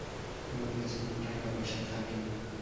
আমার কাছে কোন টাকা পয়সা থাকে না।